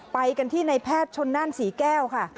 ไปกันที่ในแพทย์ชนนั่นศรีแก้วค่ะ